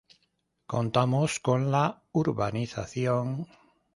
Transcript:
Contamos con la urb.